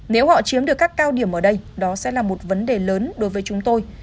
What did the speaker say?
nếu họ chiếm được các cao điểm ở đây đó sẽ là một vấn đề lớn đối với chúng tôi